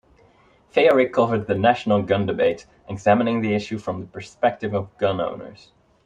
Feyerick covered the national gun debate, examining the issue from the perspective of gun-owners.